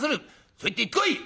そうやって言ってこい！」。